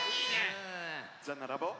じゃならぼう。